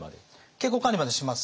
健康管理までします。